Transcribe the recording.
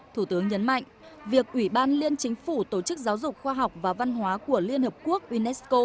thủ tướng nhấn mạnh việc ủy ban liên chính phủ tổ chức giáo dục khoa học và văn hóa của liên hợp quốc unesco